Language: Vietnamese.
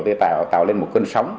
thì tạo lên một cơn sóng